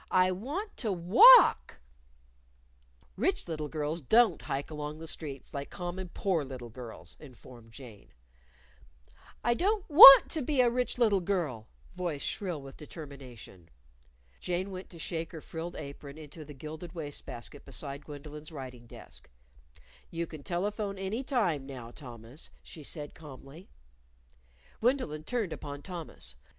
I want to walk. "Rich little girls don't hike along the streets like common poor little girls," informed Jane. "I don't want to be a rich little girl," voice shrill with determination. Jane went to shake her frilled apron into the gilded waste basket beside Gwendolyn's writing desk. "You can telephone any time now, Thomas," she said calmly. Gwendolyn turned upon Thomas.